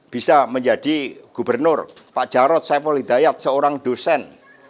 bisa menjadi gubernur pak jarod saiful hidayat seorang dosen